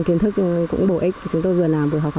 kiến thức cũng bổ ích chúng tôi vừa làm vừa học hỏi